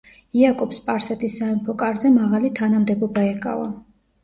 იაკობს სპარსეთის სამეფო კარზე მაღალი თანამდებობა ეკავა.